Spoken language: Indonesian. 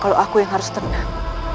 kalau aku yang harus tenang